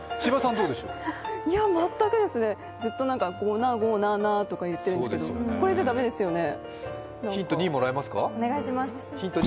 全くですね、ずっとごなごななーって言ってるんですけどこれじゃ駄目ですよね。